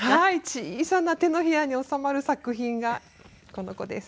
小さな手のひらに収まる作品がこの子です。